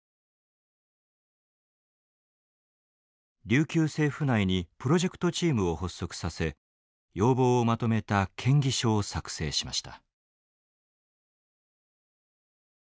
琉球政府内にプロジェクトチームを発足させ要望をまとめた建議書を作成しました。